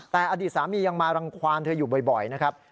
แต่อดีตสามียังมารังความเธออยู่บ่อยนะครับ